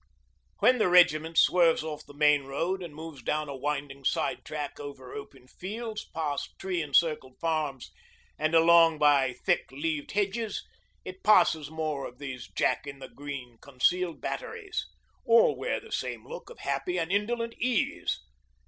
When the regiment swerves off the main road and moves down a winding side track over open fields, past tree encircled farms, and along by thick leaved hedges, it passes more of these Jack in the Green concealed batteries. All wear the same look of happy and indolent ease.